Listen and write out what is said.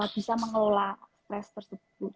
bisa mengelola stress tersebut